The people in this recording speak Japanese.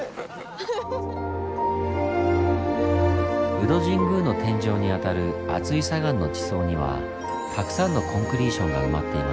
鵜戸神宮の天井にあたる厚い砂岩の地層にはたくさんのコンクリーションが埋まっています。